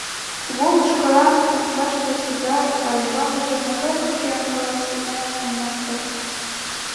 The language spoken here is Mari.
Кугу мӱшкыран, умшаште сигар, а ӱмбалныже могай вургем — каласенат ом мошто.